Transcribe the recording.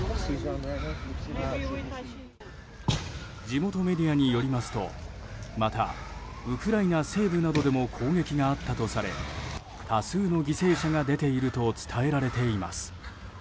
地元メディアによりますとまたウクライナ西部などでも攻撃があったとされ多数の犠牲者が出ていると伝えられています。